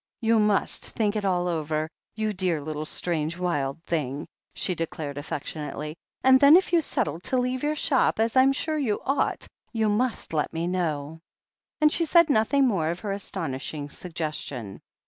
"You must think it all over, you dear little strange, wild thing," she declared affectionately, "and then if you settle to leave your shop, as I'm sure you ought, you must let me know." And she said nothing more of her astonishing sug gestion.